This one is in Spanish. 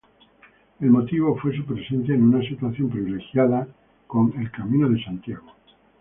El motivo fue su presencia en una situación privilegiada con el Camino de Santiago.